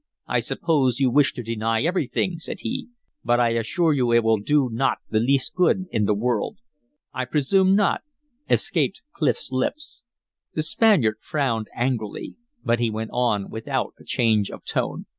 "I suppose you wish to deny everything," said he. "But I assure you it will do not the least good in the world." "I presume not," escaped Clif's lips. The Spaniard frowned angrily, but he went on without a change of tone.